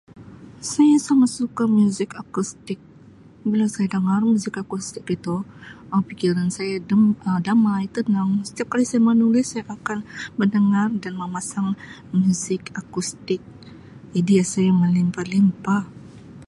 Saya sangat suka muzik akustik bila saya dangar muzik akustik itu Um fikiran saya Um damai tenang setiap kali saya menulis saya akan mendengar dan memasang muzik akustik idea saya melimpah limpah.